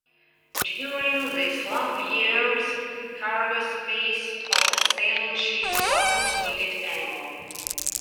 During the slump years cargo space of a sailing ship wasn't needed anymore.